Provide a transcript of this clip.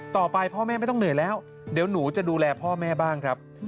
ต่อไปพ่อแม่ไม่ต้องเหนื่อยแล้วเดี๋ยวหนูจะดูแลพ่อแม่บ้างครับ